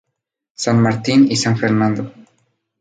San Martín y San Fernando.